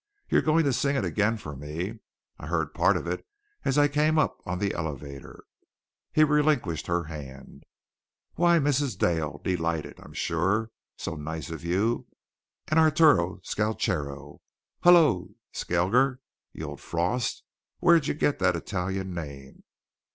"You're going to sing it again for me. I heard part of it as I came up on the elevator." He relinquished her hand. "Why, Mrs. Dale! Delighted, I'm sure. So nice of you. And Arturo Scalchero hullo, Skalger, you old frost! Where'd you get the Italian name?